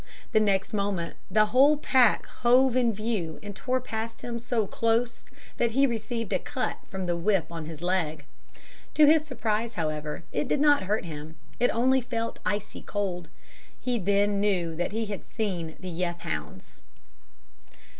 The next moment the whole pack hove in view and tore past him so close that he received a cut from "the whip" on his leg. To his surprise, however, it did not hurt him, it only felt icy cold. He then knew that he had seen the "Yeth Hounds."